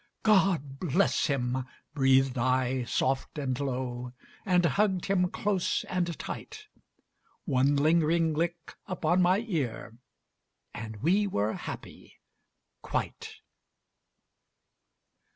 "God bless him," breathed I soft and low, And hugged him close and tight. One lingering lick upon my ear And we were happy quite.